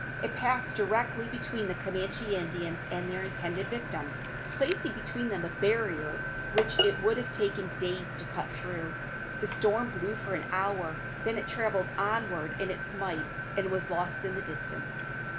It passed directly between the Camanchee Indians and their intended victims, placing between them a barrier which it would have taken days to cut through. The storm blew for an hour, then it travelled onward in its might, and was lost in the distance.